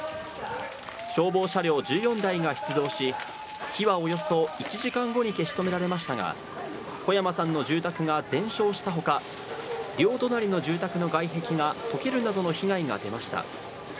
消防車両１４台が出動し、火はおよそ１時間後に消し止められましたが、小山さんの住宅が全焼したほか、両隣の住宅の外壁が溶けるなどの被害が出ました。